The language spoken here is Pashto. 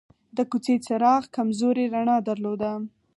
د کوڅې څراغ کمزورې رڼا درلوده.